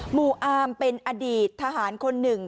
หมู่อาร์มเป็นอดีตทหารคนหนึ่ง